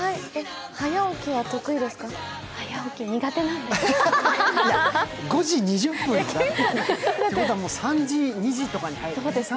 早起きは得意ですか？